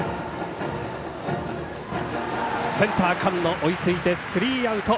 センター、菅野追いついてスリーアウト。